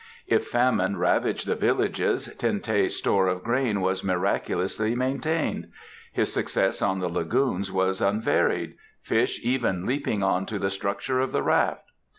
If famine ravaged the villages Ten teh's store of grain was miraculously maintained; his success on the lagoons was unvaried, fish even leaping on to the structure of the raft.